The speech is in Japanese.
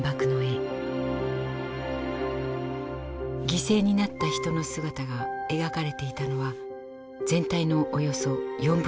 犠牲になった人の姿が描かれていたのは全体のおよそ４分の１。